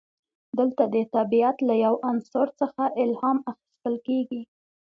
دلته د طبیعت له یو عنصر څخه الهام اخیستل کیږي.